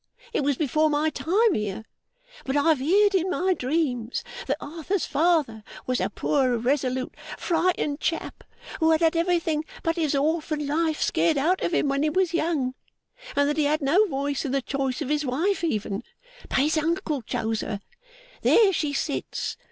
It was before my time here; but I've heerd in my dreams that Arthur's father was a poor, irresolute, frightened chap, who had had everything but his orphan life scared out of him when he was young, and that he had no voice in the choice of his wife even, but his uncle chose her. There she sits!